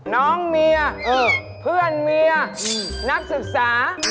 น้องเมียเพื่อนเมียนักศึกษา